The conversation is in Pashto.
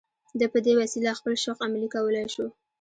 ده په دې وسیله خپل شوق عملي کولای شو